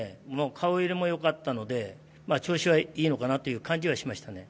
顔色も良かったので調子はいいのかなという感じはしましたね。